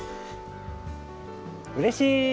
うれしい！